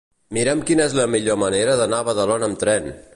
Mira'm quina és la millor manera d'anar a Badalona amb tren.